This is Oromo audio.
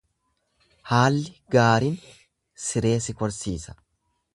Haalli gaarin siree si korsiisa.